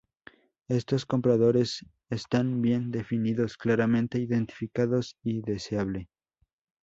Estos compradores están bien definidos, claramente identificados, y deseable.